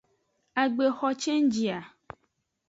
Agbexo cenji a.